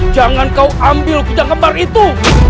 jangan kau ambil gudang kembar itu